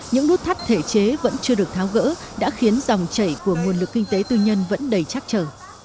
những nút thắt thể chế vẫn chưa được tháo gỡ đã khiến dòng chảy của nguồn lực kinh tế tư nhân vẫn đầy chắc chờ